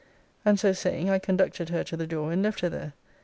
'And so saying, I conducted her to the door, and left her there.